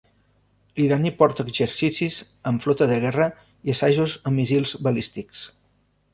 L'Iran hi porta exercicis amb flota de guerra i assajos amb míssils balístics.